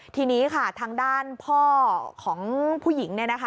ทีนี้ค่ะทางด้านพ่อของผู้หญิง